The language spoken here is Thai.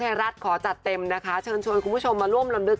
ไทยรัฐขอจัดเต็มนะคะเชิญชวนคุณผู้ชมมาร่วมลำลึก